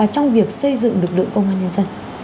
trong việc xây dựng lực lượng công an nhân dân